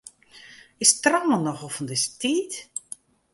Is trouwen noch wol fan dizze tiid?